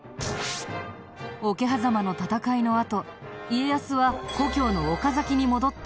桶狭間の戦いのあと家康は故郷の岡崎に戻って独立。